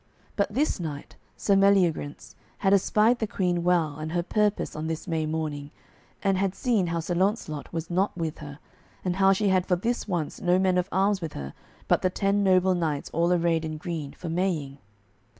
But this knight, Sir Meliagrance, had espied the Queen well and her purpose on this May morning, and had seen how Sir Launcelot was not with her, and how she had for this once no men of arms with her but the ten noble knights all arrayed in green for Maying.